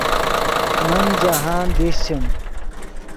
من جاہند دیشچیم